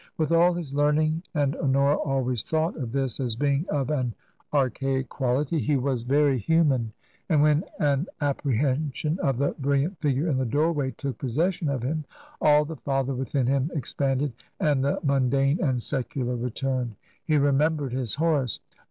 With all his learning — and Honora always thought of this as being of an archaic quality — he was very human ; and when an apprehension of the brilliant figure in the doorway took possession of him, all the TRANSITION. IS father within him expanded, and the mundane and secu lar returned. He remembered his Horace.